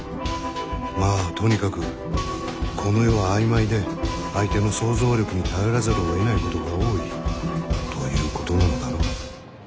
まぁとにかくこの世は曖昧で相手の想像力に頼らざるをえないことが多いということなのだろう。